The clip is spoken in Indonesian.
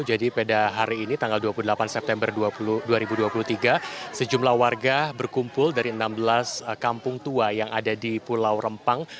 jadi pada hari ini tanggal dua puluh delapan september dua ribu dua puluh tiga sejumlah warga berkumpul dari enam belas kampung tua yang ada di pulau rempang